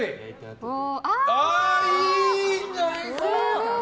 いいんじゃないですか！